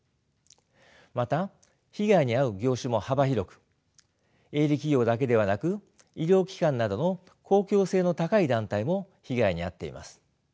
また被害に遭う業種も幅広く営利企業だけではなく医療機関などの公共性の高い団体も被害に遭っています。